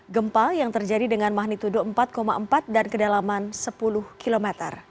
gempa yang terjadi dengan magnitudo empat empat dan kedalaman sepuluh km